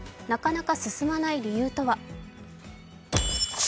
なかなか進まない理由とは。